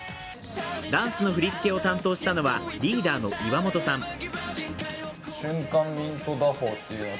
ダンスの振り付けを担当したのはリーダーの岩本さん。